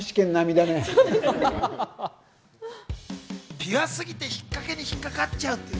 ピュアすぎて引っかけに引っかかっちゃうっていう。